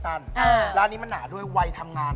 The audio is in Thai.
อันนี้หนาด้วยวัยทำงาน